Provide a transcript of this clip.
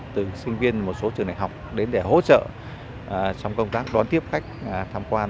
từ sinh viên một số trường đại học đến để hỗ trợ trong công tác đón tiếp khách tham quan